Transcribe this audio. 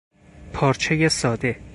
پارچهی ساده